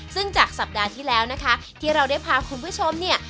ซึ่งจากสัปดาห์ที่แล้วนะคะที่เราได้พาคุณผู้ชมเนี่ย